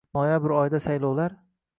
Noyabr oyida saylovlar